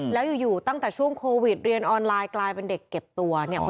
แล้วอยู่ตั้งแต่ช่วงโควิดเรียนออนไลน์กลายเป็นเด็กเก็บตัวเนี่ย